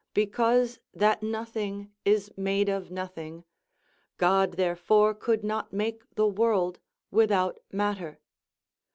Because that nothing is made of nothing, God therefore could not make the world without matter.